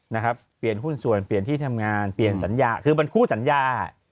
นะครับเปลี่ยนหุ้นส่วนเปลี่ยนที่ทำงานเปลี่ยนสัญญาคือมันคู่สัญญา